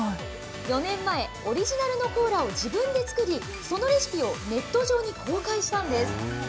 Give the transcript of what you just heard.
４年前、オリジナルのコーラを自分で作り、そのレシピをネット上に公開したんです。